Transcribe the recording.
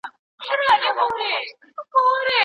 منظور نه دی غونډ اولس دی د پنجاب په زولنو کي